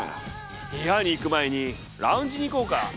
部屋に行く前にラウンジに行こうか。